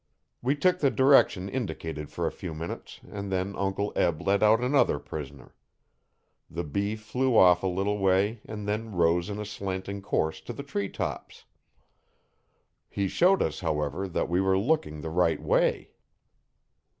We took the direction indicated for a few minutes and then Uncle Eb let out another prisoner. The bee flew off a little way and then rose in a slanting course to the tree tops. He showed us, however, that we were looking the right way.